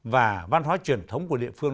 và văn hóa truyền thống của địa phương